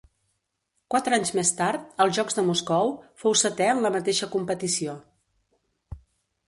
Quatre anys més tard, als Jocs de Moscou, fou setè en la mateixa competició.